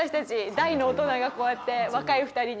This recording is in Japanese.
大の大人がこうやって若い２人に。